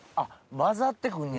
交ざってくんねや。